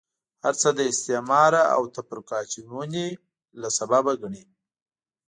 هرڅه له استعماره او تفرقه اچونې له سببه ګڼي.